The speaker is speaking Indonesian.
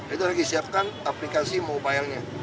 itu lagi siapkan aplikasi mobile nya